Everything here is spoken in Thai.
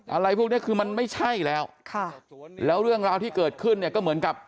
อะไรพวกเนี้ยคือมันไม่ใช่แล้วค่ะแล้วเรื่องราวที่เกิดขึ้นเนี่ยก็เหมือนกับ